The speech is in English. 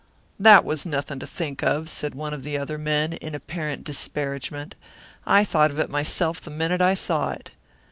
"That was nothing to think of" said one of the other men, in apparent disparagement. "I thought of it myself the minute I saw it."